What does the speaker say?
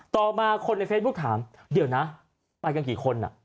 ต่อมาคนในเฟซบุ๊กถามเดี๋ยวนะไปกันกี่คน